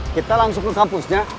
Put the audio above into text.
kita langsung ke kampusnya